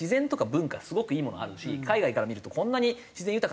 海外から見るとこんなに自然豊かな国なんだって